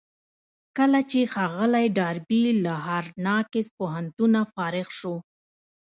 کله چې ښاغلی ډاربي له هارډ ناکس پوهنتونه فارغ شو.